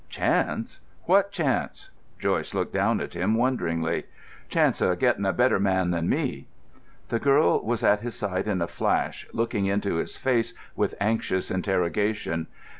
"Chance?—what chance?" Joyce looked down at him wonderingly. "Chance of getting a better man than me." The girl was at his side in a flash, looking into his face with anxious interrogation.